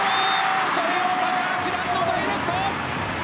それを高橋藍がダイレクト！